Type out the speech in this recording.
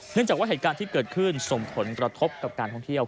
จากว่าเหตุการณ์ที่เกิดขึ้นส่งผลกระทบกับการท่องเที่ยว